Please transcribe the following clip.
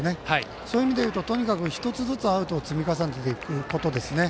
そういう意味で言うと１つずつ、アウトを積み重ねることですね。